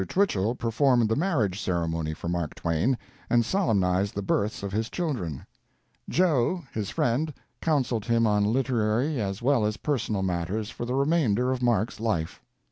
Twichell performed the marriage ceremony for Mark Twain and solemnized the births of his children; "Joe," his friend, counseled him on literary as well as personal matters for the remainder of Mark's life.